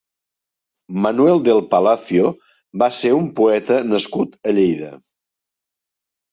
Manuel del Palacio va ser un poeta nascut a Lleida.